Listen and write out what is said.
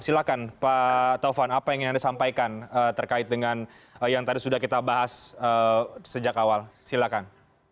silahkan pak taufan apa yang ingin anda sampaikan terkait dengan yang tadi sudah kita bahas sejak awal silakan